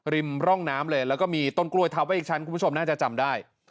ริมร่องน้ำเลยแล้วก็มีต้นกล้วยทับไว้อีกชั้นคุณผู้ชมน่าจะจำได้